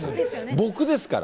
僕ですから。